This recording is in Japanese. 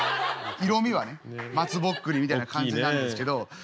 色みはね松ぼっくりみたいな感じなんですけど。